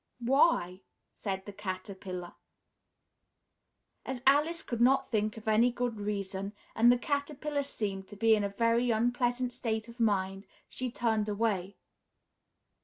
"Why?" said the Caterpillar. As Alice could not think of any good reason and the Caterpillar seemed to be in a very unpleasant state of mind, she turned away.